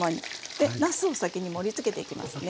でなすを先に盛りつけていきますね。